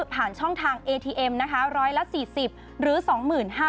ผ่านช่องทางเอทีเอ็มนะคะร้อยละสี่สิบหรือสองหมื่นห้า